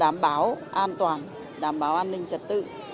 đảm bảo an toàn đảm bảo an ninh trật tự